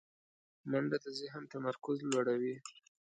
منډه د ذهن تمرکز لوړوي